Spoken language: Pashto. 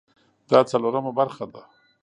دا څلورمه برخه ده